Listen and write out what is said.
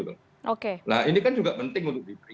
nah ini kan juga penting